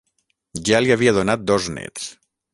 Ja li havia donat dos néts.